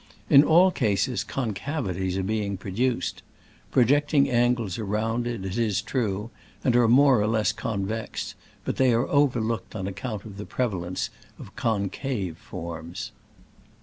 In all cases concavities are being produced. Projecting angles are rounded, it is true, and are more or less convex, biit they are overlooked on account of the prevalence of con cave forms.